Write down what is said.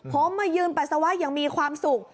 ผมมายืนปัสสาวะอย่างมีความสุข